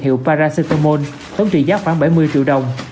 hiệu paracephmon tổng trị giá khoảng bảy mươi triệu đồng